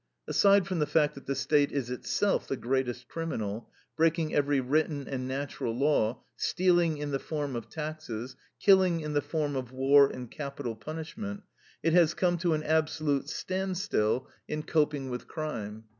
Aside from the fact that the State is itself the greatest criminal, breaking every written and natural law, stealing in the form of taxes, killing in the form of war and capital punishment, it has come to an absolute standstill in coping with crime.